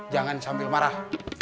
jangan sambil marah